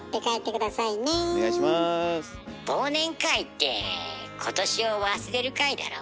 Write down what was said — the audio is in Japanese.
忘年会って今年を忘れる会だろ？